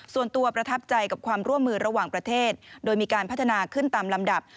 ประทับใจกับความร่วมมือระหว่างประเทศโดยมีการพัฒนาขึ้นตามลำดับ